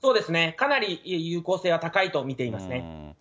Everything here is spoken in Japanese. かなり有効性は高いと見ていますね。